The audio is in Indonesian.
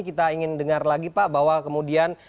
kita ingin dengar lagi pak bahwa kemudian